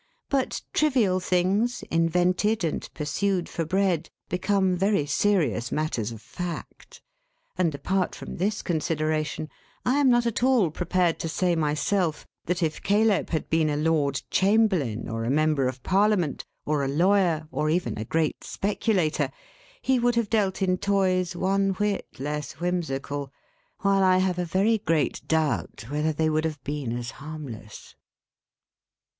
But trivial things, invented and pursued for bread, become very serious matters of fact; and, apart from this consideration, I am not at all prepared to say, myself, that if Caleb had been a Lord Chamberlain, or a Member of Parliament, or a lawyer, or even a great speculator, he would have dealt in toys one whit less whimsical; while I have a very great doubt whether they would have been as harmless.